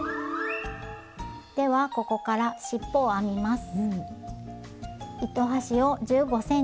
ではここからしっぽを編みます。